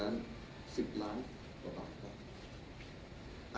เนี่ย๑๐ล้านกลัวบาทก็